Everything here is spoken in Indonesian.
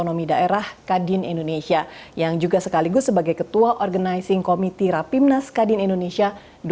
dan otonomi daerah kadin indonesia yang juga sekaligus sebagai ketua organizing komiti rapimnas kadin indonesia dua ribu dua puluh dua